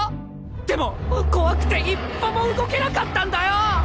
⁉でも怖くて一歩も動けなかったんだよ！